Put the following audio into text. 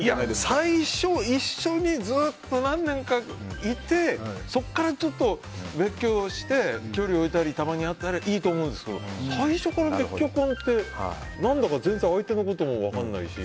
最初、一緒にずっと何年かいてそこから別居して距離を置いたりたまに会ったらいいと思うんですけど最初から別居婚って全然相手のことも分からないし。